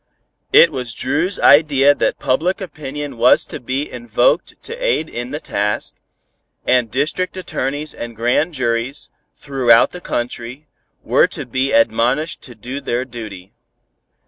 It was Dru's idea that public opinion was to be invoked to aid in the task, and district attorneys and grand juries, throughout the country, were to be admonished to do their duty.